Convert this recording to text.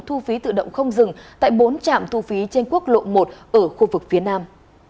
thu phí tự động không dừng tại bốn trạm thu phí trên quốc lộ một ở khu vực phía nam